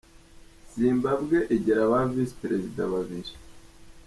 Zimbabwe igira ba Visi Perezida babiri.